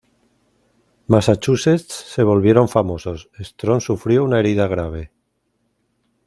Massachusetts se volvieron famosos, Strong sufrió una herida grave.